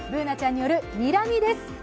Ｂｏｏｎａちゃんによる、にらみです。